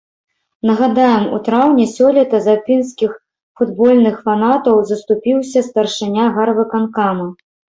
Нагадаем, у траўні сёлета за пінскіх футбольных фанатаў заступіўся старшыня гарвыканкама.